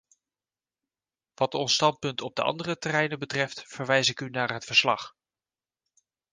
Wat ons standpunt op de andere terreinen betreft, verwijs ik u naar het verslag.